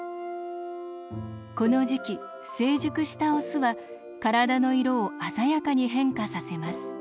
この時期成熟したオスは体の色を鮮やかに変化させます。